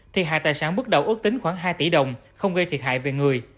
thì hạ tài sản bước đầu ước tính khoảng hai tỷ đồng không gây thiệt hại về người